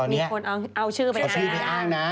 มีคนเอาชื่อไปอ้างนะ